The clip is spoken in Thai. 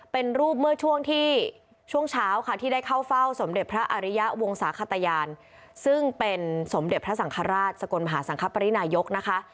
เป็นรูปเมื่อช่วงที่ช่วงเช้าค่ะที่ได้เข้าเฝ้าสมเด็จพระอาริยะวงศาขตยานซึ่งเป็นสมเด็จพระสังฆราชสกลมหาสังคปรินายกนะคะ